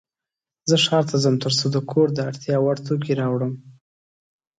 زه ښار ته ځم ترڅو د کور د اړتیا وړ توکې راوړم.